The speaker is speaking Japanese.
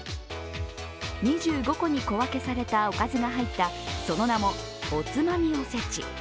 ２５個に小分けされたおかずが入った、その名もおつまみおせち。